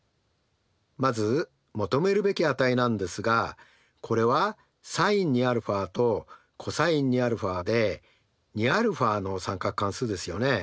まず求めるべき値なんですがこれはｓｉｎ２αとｃｏｓ２αで２αの三角関数ですよね。